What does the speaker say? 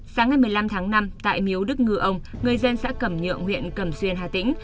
sáng ngày một mươi năm tháng năm tại miếu đức ngư ông người dân xã cẩm nhượng huyện cẩm xuyên hà tĩnh